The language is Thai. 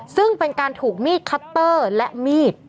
ซึ่งเป็นการถูกมีดคัตเตอร์และมีด